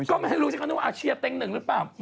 ก็ไม่รู้สิเขาถึงว่าเชียร์แต่งหนึ่งหรือเปล่า